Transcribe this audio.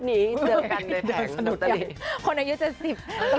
คนอายุ๗๐ต้องสะดุดอยู่ตอนนี้